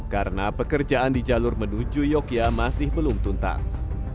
karena pekerjaan di jalur menuju yogyakarta masih belum tuntas